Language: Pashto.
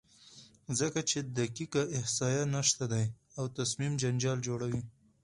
ځکه چې دقیقه احصایه نشته دی او تصمیم جنجال جوړوي،